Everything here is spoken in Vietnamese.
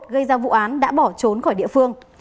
gây ra vụ án đã bỏ trốn khỏi địa phương